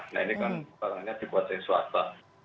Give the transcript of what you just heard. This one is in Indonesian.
nah ini kan barangnya dikuasai swasta